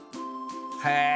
へえ